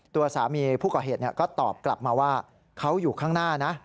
ตัวสามีผู้ก่อเหตุก็ตอบกลับมาว่าเขาอยู่ข้างหน้านะ